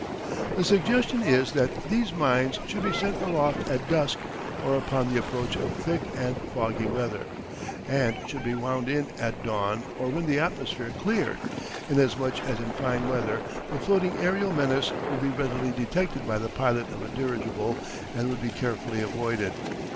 The suggestion is that these mines should be sent aloft at dusk or upon the approach of thick and foggy weather, and should be wound in at dawn or when the atmosphere cleared, inasmuch as in fine weather the floating aerial menace would be readily detected by the pilot of a dirigible, and would be carefully avoided.